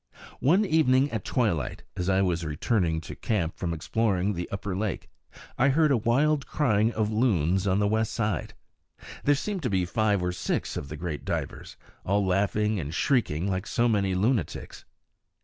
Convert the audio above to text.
One evening at twilight, as I was returning to camp from exploring the upper lake, I heard a wild crying of loons on the west side. There seemed to be five or six of the great divers, all laughing and shrieking like so many lunatics.